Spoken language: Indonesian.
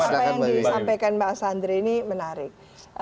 apa yang disampaikan mbak sandri ini menarik